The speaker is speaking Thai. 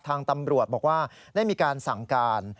ทางตำรวจบอกว่าได้มีการสั่งการ